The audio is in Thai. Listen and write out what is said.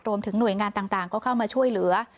รวมถึงหน่วยงานต่างก็เข้ามาช่วยเหลือ